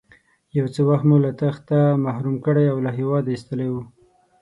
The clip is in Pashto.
یو څه وخت مو له تخته محروم کړی او له هېواده ایستلی وو.